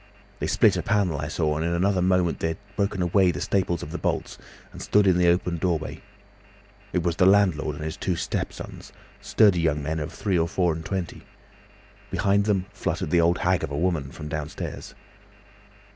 They split a panel, I saw, and in another moment they had broken away the staples of the bolts and stood in the open doorway. It was the landlord and his two step sons, sturdy young men of three or four and twenty. Behind them fluttered the old hag of a woman from downstairs.